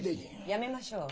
やめましょう。